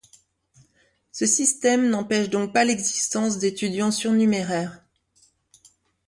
Ce système n'empêche donc pas l'existence d'étudiants surnuméraires.